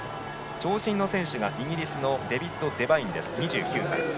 長身の選手がイギリスのデビッド・デバイン２９歳。